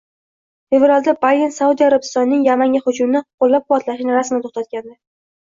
Fevralda Bayden Saudiya Arabistonining Yamanga hujumini qo‘llab-quvvatlashni rasman to‘xtatgandi